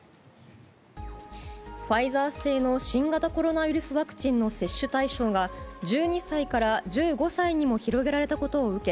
ファイザー製の新型コロナウイルスワクチンの接種対象が１２歳から１５歳にも広げられたことを受け